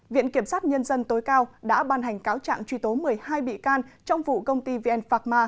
viện kiểm sát nhân dân tối cao đã ban hành cáo trạng truy tố một mươi hai bị can trong vụ công ty vnc